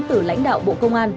từ lãnh đạo bộ công an